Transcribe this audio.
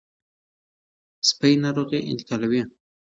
سپي ناروغي انتقالوي.